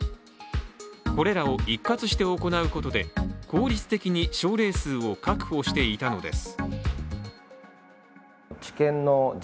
これらを一括して行うことで、効率的に症例数を確保していたのです。